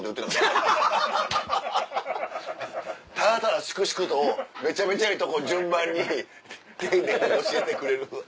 ただ粛々とめちゃめちゃええとこ順番に丁寧に教えてくれる。